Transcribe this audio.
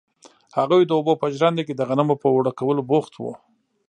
هغوی د اوبو په ژرنده کې د غنمو په اوړه کولو بوخت وو.